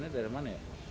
ngamennya dari mana ya